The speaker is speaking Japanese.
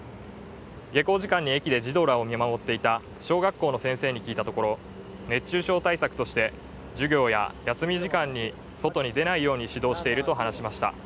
下校時間に駅で児童らを見守っていた小学校の先生に聞いたところ熱中症対策として授業や休み時間に外に出ないように指導していると話しました。